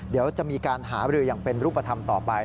เดี๋ยวจะมีการหาบรืออย่างเป็นรูปธรรมต่อไป